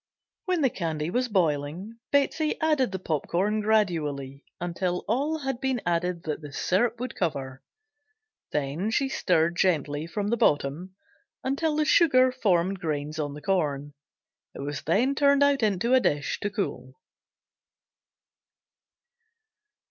When the candy was boiling Betsey added the popcorn gradually, until all had been added that the syrup would cover, then stirred gently from the bottom until the sugar formed grains on the corn. It was then turned into a dish to cool.